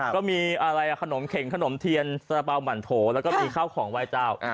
ก็มีอะไรขนมเข็งขนมเทียนสระเบาหมั่นโถแล้วก็มีข้าวของไหว้เจ้า